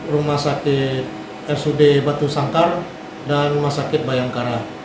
rumah sakit rsud batu sangkar dan rumah sakit bayangkara